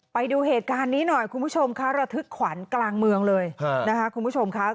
ไปดูเหตุการณ์นี้หน่อยคุณผู้ชมค่ะระทึกขวัญกลางเมืองเลยนะคะคุณผู้ชมค่ะ